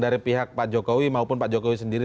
dari pihak pak jokowi maupun pak jokowi sendiri